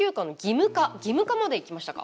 義務化までいきましたか。